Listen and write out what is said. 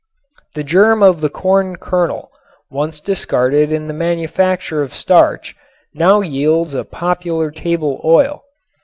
The germ of the corn kernel, once discarded in the manufacture of starch, now yields a popular table oil.